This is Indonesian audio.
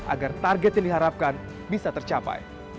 agar target yang diharapkan bisa tercapai